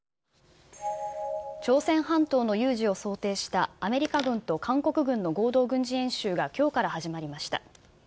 朝鮮半島の有事を想定したアメリカ軍と韓国軍の合同軍事演習がきょうから始まりました。